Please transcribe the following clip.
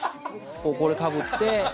これかぶって。